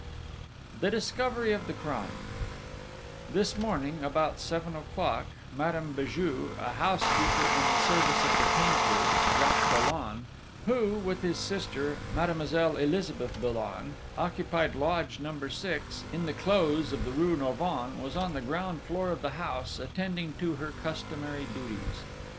The Discovery of the Crime This morning, about seven o'clock, Madame Béju, a housekeeper in the service of the painter, Jacques Dollon, who, with his sister, Mademoiselle Elizabeth Dollon, occupied lodge number six, in the Close of the rue Norvins, was on the ground floor of the house, attending to her customary duties.